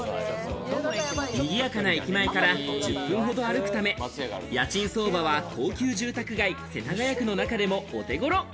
にぎやかな駅前から１０分ほど歩くため、家賃相場は高級住宅街、世田谷区の中でもお手ごろ。